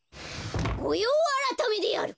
ごようあらためである！